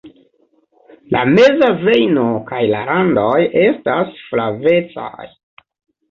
La meza vejno kaj la randoj estas flavecaj.